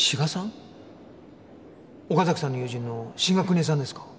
岡崎さんの友人の志賀邦枝さんですか？